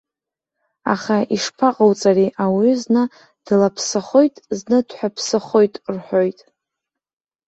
Аха, ишԥаҟауҵари, ауаҩы зны длаԥсахоит, зны дҳәаԥсахоит рҳәоит.